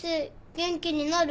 元気になる？